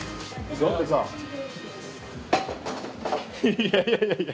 いやいやいやいや。